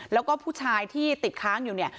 แล้วก็ผู้ชายที่ติดค้างอยู่เนี่ย